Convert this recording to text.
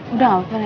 udah gak apa apa